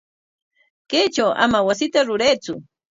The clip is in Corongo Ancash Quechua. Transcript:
Kaytraw ama wasita ruraytsu.